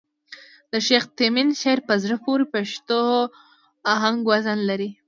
د شېخ تیمن شعر په زړه پوري پښتو آهنګ وزن لري.